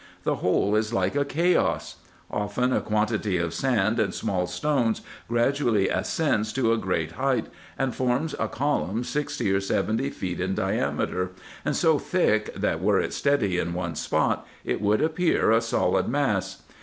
The whole is like a chaos. Often a quantity of sand c c 2 196 RESEARCHES AND OPERATIONS and small stones gradually ascends to a great height and forms a column sixty or seventy feet in diameter, and so thick, that were it steady on one spot, it would appear a solid mass.